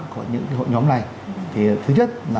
của những cái hội nhóm này thì thứ nhất là